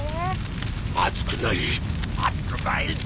熱くない熱くない。